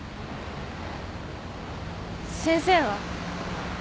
先生は？